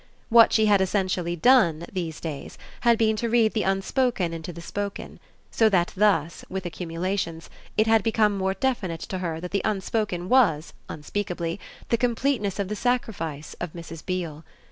What she had essentially done, these days, had been to read the unspoken into the spoken; so that thus, with accumulations, it had become more definite to her that the unspoken was, unspeakably, the completeness of the sacrifice of Mrs. Beale.